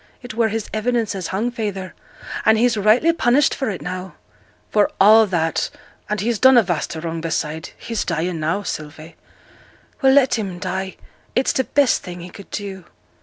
It were his evidence as hung feyther; and he's rightly punished for it now.' 'For a' that, and he's done a vast o' wrong beside, he's dying now, Sylvie!' 'Well! let him die it's t' best thing he could do!'